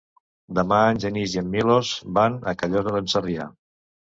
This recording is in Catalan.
Demà en Genís i en Milos van a Callosa d'en Sarrià.